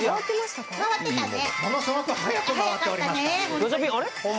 ガチャピンさん。